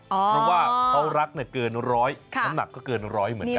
เพราะว่าเขารักเกินร้อยน้ำหนักก็เกินร้อยเหมือนกัน